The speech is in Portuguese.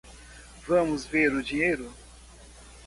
Vamos ver o dinheiro.